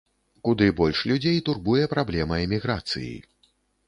Куды больш людзей турбуе праблема эміграцыі.